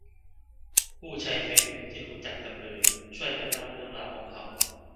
ผู้ใช้เฟซบุ๊กที่รู้จักจำเลย ช่วยกันเล่าเรื่องราวของเขา